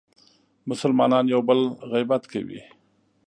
مسلمانان یو بل غیبت کوي.